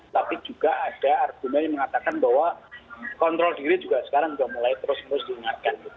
tapi juga ada argumen yang mengatakan bahwa kontrol diri juga sekarang sudah mulai terus menerus diingatkan